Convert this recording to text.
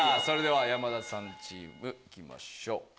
それでは山田さんチーム行きましょう。